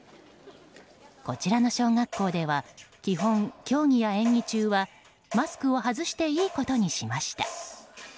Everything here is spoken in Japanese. こちらの小学校では基本、競技や演技中はマスクを外していいことにしました。